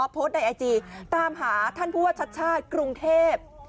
โพสต์ในไอจีตามหาท่านผู้ว่าชัดชาติกรุงเทพ